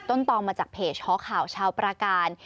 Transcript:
ตองมาจากเพจหอข่าวชาวประการ